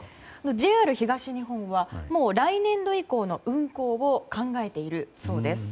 ＪＲ東日本は、もう来年度以降の運行を考えているそうです。